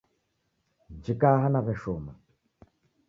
Injika aha naw'ashoma.